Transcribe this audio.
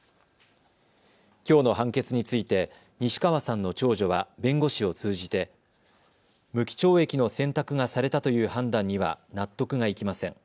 きょうの判決について西川さんの長女は弁護士を通じて無期懲役の選択がされたという判断には納得がいきません。